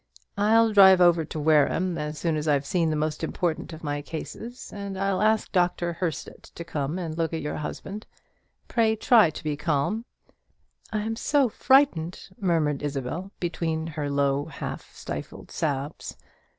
I'll drive over to Wareham, as soon as I've seen the most important of my cases; and I'll ask Dr. Herstett to come and look at your husband. Pray try to be calm." "I am so frightened," murmured Isabel, between her low half stifled sobs.